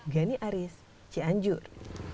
gani aris cianjur